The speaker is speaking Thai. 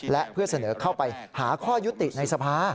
และเพื่อเสนอเข้าไปหาข้อยุติในสภา